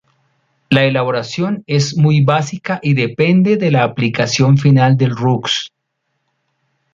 La elaboración es muy básica y depende de la aplicación final del roux.